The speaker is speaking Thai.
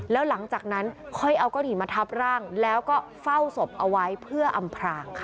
แล้วหลังจากนั้นค่อยเอาก้อนหินมาทับร่างแล้วก็เฝ้าศพเอาไว้เพื่ออำพรางค่ะ